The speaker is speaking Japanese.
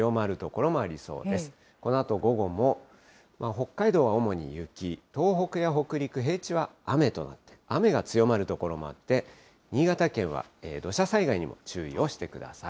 このあと午後も北海道は主に雪、東北や北陸、平地は雨となって、雨が強まる所もあって、新潟県は土砂災害にも注意をしてください。